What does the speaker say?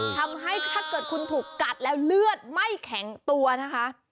ถ้าเกิดคุณถูกกัดแล้วเลือดไม่แข็งตัวนะคะ